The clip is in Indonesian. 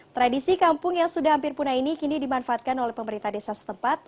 tradisi kampung yang sudah hampir punah ini kini dimanfaatkan oleh pemerintah desa setempat